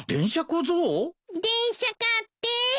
電車買って！